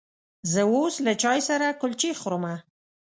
زه اوس له چای سره کلچې خورمه.